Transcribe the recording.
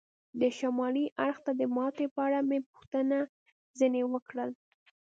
د شمالي اړخ د ماتې په اړه مې پوښتنه ځنې وکړل.